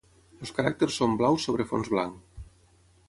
Els caràcters són blaus sobre fons blanc.